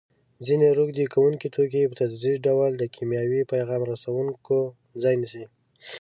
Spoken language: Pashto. ځینې روږدې کوونکي توکي په تدریجي ډول د کیمیاوي پیغام رسوونکو ځای نیسي.